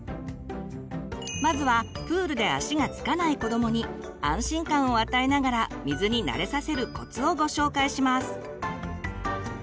まずはプールで足が着かない子どもに安心感を与えながら水に慣れさせるコツをご紹介します！